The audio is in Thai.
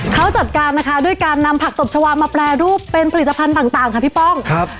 เขาจัดการนะคะด้วยการนำผักตบชาวามาแปรรูปเป็นผลิตภัณฑ์ต่างค่ะพี่ป้องครับ